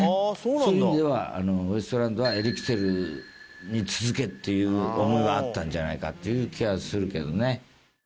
そういう意味ではウエストランドはエレキテルに続け！っていう思いはあったんじゃないかっていう気はするけどね。